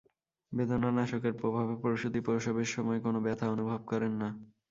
বেদনানাশকের প্রভাবে প্রসূতি প্রসবের সময় কোনো ব্যথা অনুভব করেন না।